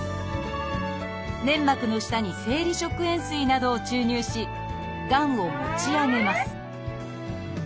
粘膜の下に生理食塩水などを注入しがんを持ち上げます